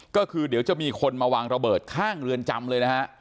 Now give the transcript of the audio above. ก็คือเดี๋ยวจะมีคนมาวางระเบิดข้างเรือนจำเลยนะฮะ